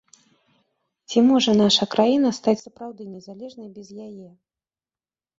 Ці можа наша краіна стаць сапраўды незалежнай без яе?